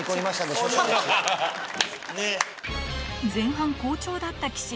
前半好調だった岸